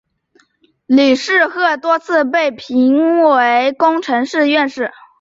李世鹤多次被提名为工程院院士。